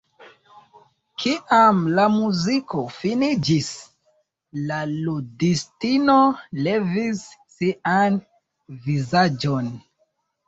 Kiam la muziko finiĝis, la ludistino levis sian vizaĝon.